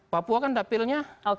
papua kan dapilnya